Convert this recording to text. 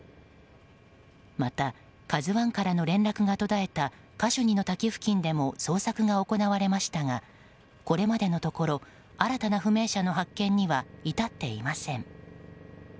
また、「ＫＡＺＵ１」からの連絡が途絶えたカシュニの滝付近でも捜索が行われましたがこれまでのところ新たな不明者の発見には至っていません。